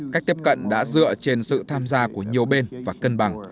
cách tiếp cận đã dựa trên sự tham gia của nhiều bên và cân bằng